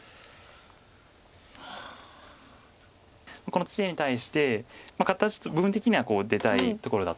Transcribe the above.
このツケに対して部分的には出たいところだったんですが。